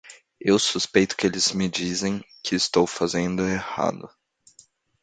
Eu suspeito que eles me dizem que estou fazendo errado.